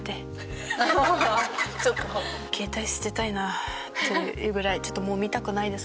携帯捨てたいなっていうぐらいちょっともう見たくないですね。